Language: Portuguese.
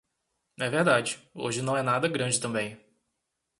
É verdade, hoje não é nada grande também.